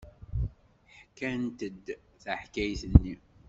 Ḥkant-d taḥkayt-nni.